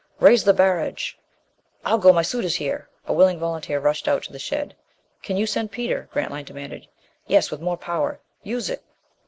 "Raise the barrage." "I'll go. My suit is here." A willing volunteer rushed out to the shed. "Can you send, Peter?" Grantline demanded. "Yes. With more power." "Use it."